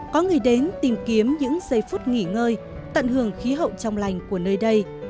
có người đến tìm kiếm những giây phút nghỉ ngơi tận hưởng khí hậu trong lành của nơi đây